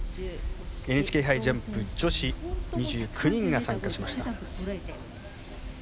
ＮＨＫ杯ジャンプ女子２９人が参加しました。